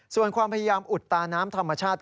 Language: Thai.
ส่วนความพยายามอุดตาน้ำธรรมชาติ